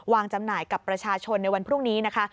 จำหน่ายกับประชาชนในวันพรุ่งนี้นะคะ